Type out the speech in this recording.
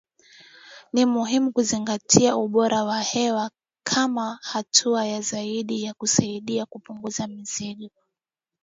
Ni muhimu kuzingatia ubora wa hewa kama hatua ya ziada ya kusaidia kupunguza mzigo